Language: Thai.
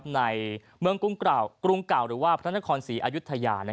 ในเมืองกรุงเก่าหรือว่าพระนครศรีอายุทยา